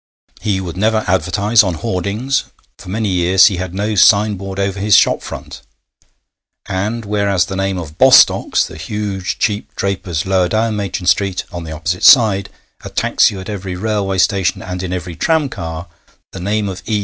He would never advertise on hoardings; for many years he had no signboard over his shop front; and whereas the name of 'Bostocks,' the huge cheap drapers lower down Machin Street, on the opposite side, attacks you at every railway station and in every tramcar, the name of 'E.